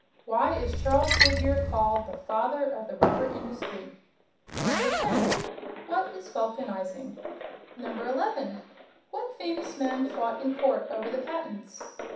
Why is Charles Goodyear called "the father of the rubber industry"? 10. What is "vulcanizing"? 11. What famous men fought in court over the patents?